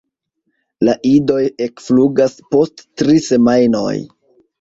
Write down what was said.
La idoj ekflugas post tri semajnoj.